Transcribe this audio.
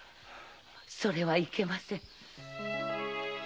それはいけません。